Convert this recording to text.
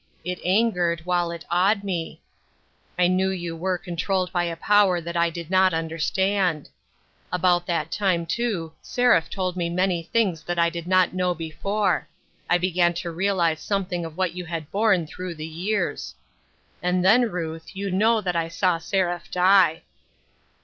It angered, while it awed me. I knew you were controlled by a power that I did not understand. About that time, too, Seraph told me many things that I did not know before ; I began to realize something of what you had borne through the years. And then, Ruth, you know that I saw Seraph die.